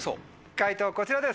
解答こちらです。